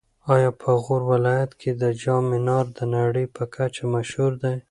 ایا په غور ولایت کې د جام منار د نړۍ په کچه مشهور دی؟